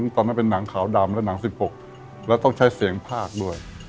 ตอนนั้นเป็นหนังขาวดำและหนัง๑๖แล้วต้องใช้เสียงภาคด้วย